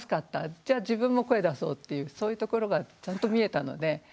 じゃあ自分も声出そうっていうそういうところがちゃんと見えたので。